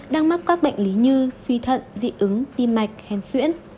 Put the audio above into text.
đang mắc các bệnh lý như suy thận dị ứng tim mạch hèn xuyễn